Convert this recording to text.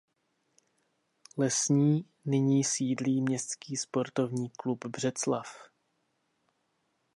Lesní nyní sídlí Městský sportovní klub Břeclav.